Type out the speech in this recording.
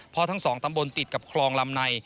เพราะทั้งสองตำบลติดกับคลองลำใน